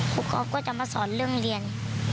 ก๊อฟก็จะมาสอนเรื่องเรียน